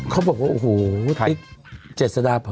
เขาบอกว่าโอ้โหติ๊กเจษฎาพร